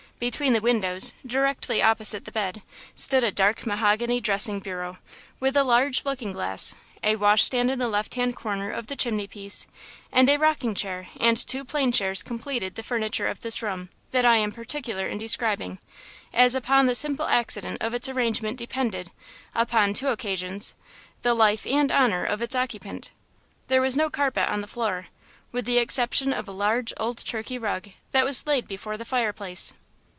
Between the windows, directly opposite the bed, stood a dark mahogany dressing bureau with a large looking glass; a washstand in the left hand corner of the chimney piece, and a rocking chair and two plain chairs completed the furniture of this room that I am particular in describing, as upon the simple accident of its arrangement depended, upon two occasions, the life and honor of its occupant. There was no carpet on the floor, with the exception of a large, old Turkey rug that was laid before the fireplace.